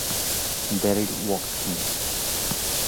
Darryl Watkins